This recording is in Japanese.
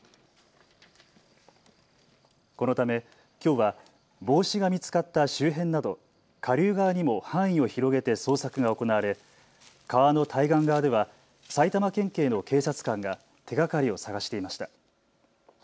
このため、きょうは帽子が見つかった周辺など下流側にも範囲を広げて捜索が行われ川の対岸側では埼玉県警の警察官が手がかりを捜していました。